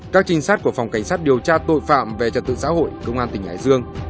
các trinh sát của phòng cảnh sát điều tra tội phạm về trật tự xã hội công an tỉnh hải dương